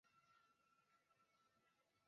淮上军总司令部设在原清朝寿州总兵署。